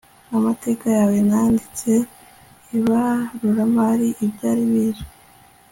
amateka yawe nanditse ibaruramari ibyari bizwi